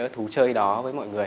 thú chơi đó với mọi người